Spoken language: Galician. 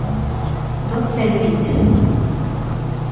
¡Doce leis!